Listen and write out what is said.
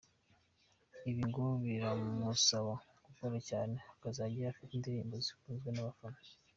Ibi ngo biramusaba gukora cyane akazajyayo afite indirimbo zikunzwe n'abafana.